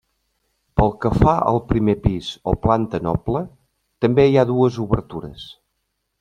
Pel que fa al primer pis o planta noble, també hi ha dues obertures.